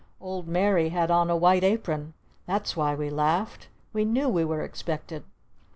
Old Mary had on a white apron! That's why we laughed! We knew we were expected!